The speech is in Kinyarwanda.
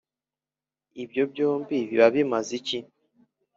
ibyo byombi biba bimaze iki?